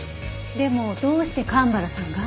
でもどうして蒲原さんが？